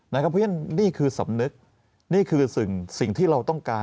เพราะฉะนั้นนี่คือสำนึกนี่คือสิ่งที่เราต้องการ